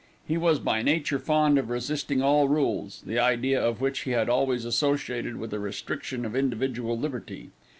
He was by nature fond of resisting all rules, the idea of which he had always associated with a restriction of individual liberty.